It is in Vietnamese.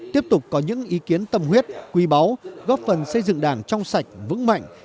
tiếp tục có những ý kiến tâm huyết quy báu góp phần xây dựng đảng trong sạch vững mạnh